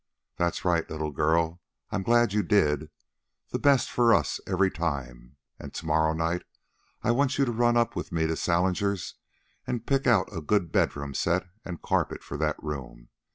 "That's right, little girl. I'm glad you did. The best for us every time. And to morrow night I want you to run up with me to Salinger's an' pick out a good bedroom set an' carpet for that room.